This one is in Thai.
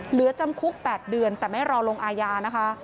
เหลือจำคุก๘เดือนแต่ไม่รอลงอาญานะคะ